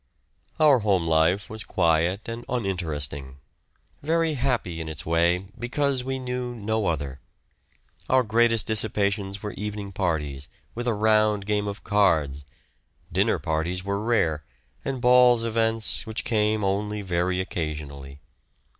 Our home life was quiet and uninteresting, very happy in its way because we knew no other. Our greatest dissipations were evening parties, with a round game of cards; dinner parties were rare, and balls events which came only very occasionally.